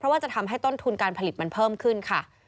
ว่าจะทำให้ต้นทุนการผลิตมันเพิ่มขึ้นค่ะ